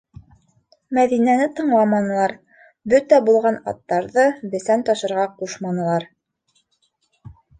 Мәҙинәне тыңламанылар, бөтә булған аттарҙы бесән ташырға ҡушманылар.